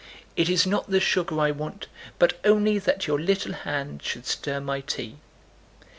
"It is not the sugar I want, but only that your little hand should stir my tea."